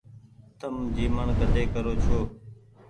تم جيمڻ ڪۮي ڪرو ڇو۔